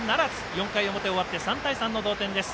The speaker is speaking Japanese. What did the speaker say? ４回の表、終わって３対３の同点です。